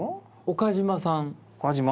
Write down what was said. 岡嶋さん。